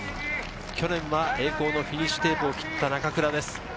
去年は栄光のフィニッシュテープを切った中倉です。